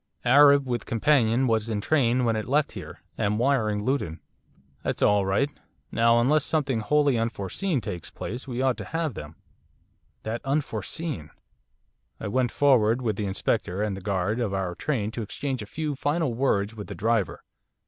'Arab with companion was in train when it left here. Am wiring Luton.' 'That's all right. Now unless something wholly unforeseen takes place, we ought to have them.' That unforeseen! I went forward with the Inspector and the guard of our train to exchange a few final words with the driver.